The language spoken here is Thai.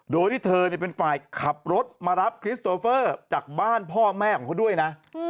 โดยที่เธอเป็นฝ่ายขับรถมารับคริสโตเฟอร์จากบ้านพ่อแม่ของเขาด้วยนะ